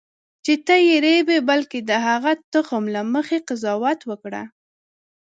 چې ته یې رېبې بلکې د هغه تخم له مخې قضاوت وکړه.